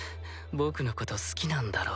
僕のこと好きなんだろ？